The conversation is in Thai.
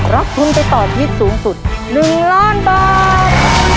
รับทุนไปต่อชีวิตสูงสุด๑ล้านบาท